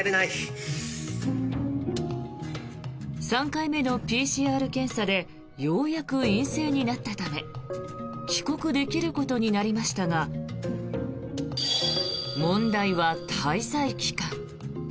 ３回目のＰＣＲ検査でようやく陰性になったため帰国できることになりましたが問題は滞在期間。